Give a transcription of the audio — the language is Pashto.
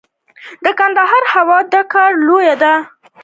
د کندهار هوايي ډګر لوی دی